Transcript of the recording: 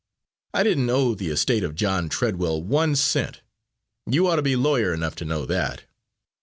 I didn't owe the estate of John Treadwell one cent you ought to be lawyer enough to know that.